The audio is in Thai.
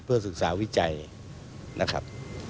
ศึกษาวิจัยนะครับ